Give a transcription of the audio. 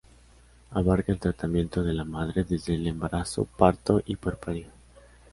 Abarca el tratamiento de la madre desde el embarazo, parto y puerperio.